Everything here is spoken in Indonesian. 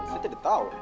saya tidak tahu